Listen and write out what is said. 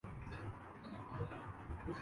کاش ہم غریب نہ ہوتے